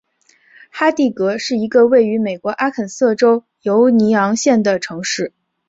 哈蒂格是一个位于美国阿肯色州犹尼昂县的城市。